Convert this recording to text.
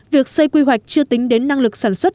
việc xây quy hoạch chưa tính đến năng lực sản xuất